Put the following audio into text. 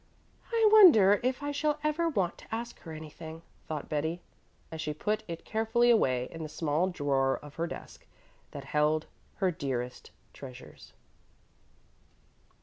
"I wonder if I shall ever want to ask her anything," thought Betty, as she put it carefully away in the small drawer of her desk that held her dearest treasures.